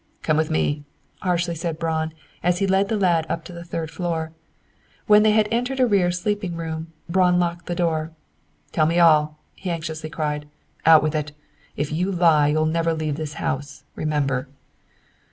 "Come with me," harshly said Braun, as he led the lad up to the third floor. When they had entered a rear sleeping room, Braun locked the door. "Tell me all," he anxiously cried. "Out with it. If you lie you'll never leave this house, remember!"